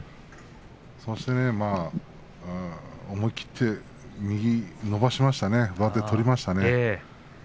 そして思いきって右を伸ばして上手を取りましたね。